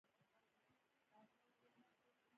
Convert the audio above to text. دا باید د چانس محصول نه وي.